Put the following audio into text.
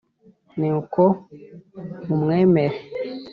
ni uko muwemera,